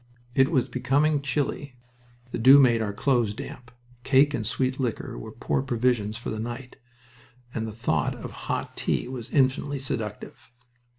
It was becoming chilly. The dew made our clothes damp. Cake and sweet liquor were poor provisions for the night, and the thought of hot tea was infinitely seductive.